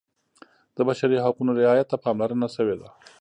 د بشري حقونو رعایت ته پاملرنه شوې ده.